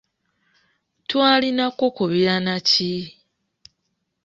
Twalina kukubira na ki?